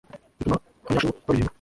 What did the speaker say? bituma Abanyashuru babirimbura.